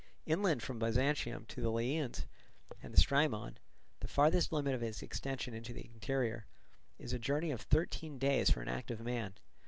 Inland from Byzantium to the Laeaeans and the Strymon, the farthest limit of its extension into the interior, it is a journey of thirteen days for an active man.